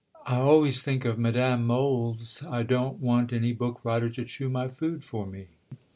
I always think of Mad. Mohl's, "I don't want any book writer to chew my food for me."